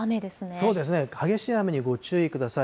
そうですね、激しい雨にご注意ください。